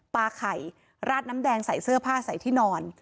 ปลาไข่ราดน้ำแดงใส่เสื้อผ้าใส่ที่นอน